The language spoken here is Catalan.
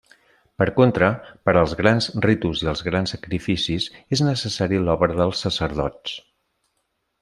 Per contra, per als grans ritus i els grans sacrificis és necessari l'obra dels sacerdots.